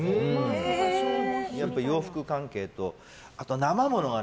洋服関係とあとは生ものは。